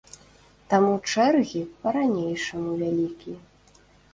Таму чэргі па-ранейшаму вялікія.